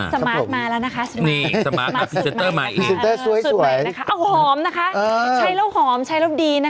สมาร์ทมาแล้วนะคะสุดใหม่เอาหอมนะคะใช้รูปหอมใช้รูปดีนะคะ